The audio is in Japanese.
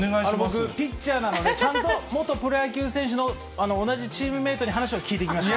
僕、ピッチャーなので、元プロ野球選手の同じチームメートに話を聞いてきました。